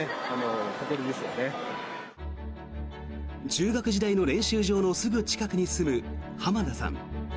中学時代の練習場のすぐ近くに住む浜田さん。